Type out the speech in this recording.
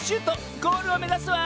ゴールをめざすわ！